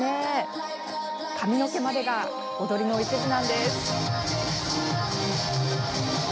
髪の毛までが踊りの一部なんです。